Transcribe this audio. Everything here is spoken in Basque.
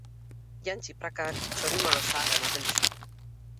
Jantzi prakak, txorimalo zaharra ematen duzu eta!